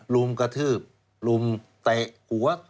รุมกระทืบรุมเตะหัว